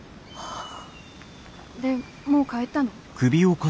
でもう帰ったの？